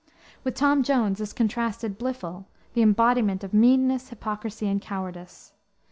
With Tom Jones is contrasted Blifil, the embodiment of meanness, hypocrisy, and cowardice.